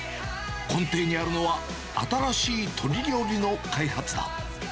根底にあるのは、新しい鶏料理の開発だ。